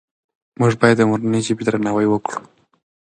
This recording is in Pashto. موږ باید د مورنۍ ژبې درناوی وکړو.